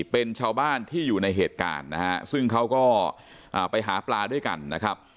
เป็นชาวบ้านที่อยู่ในเหตุการณ์นะฮะซึ่งเขาก็ไปหาปลาด้วยกันนะครับ